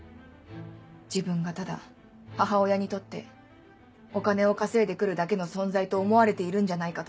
自分がただ母親にとってお金を稼いでくるだけの存在と思われているんじゃないかと。